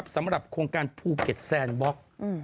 สำหรับโครงการภูเก็ตแซนบล็อก